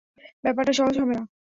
ব্যাপারটা সহজ হবে না।